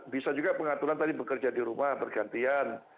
bisa juga pengaturan tadi bekerja di rumah bergantian